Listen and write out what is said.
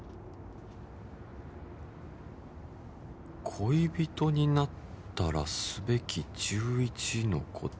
「恋人になったらすべき１１のこと」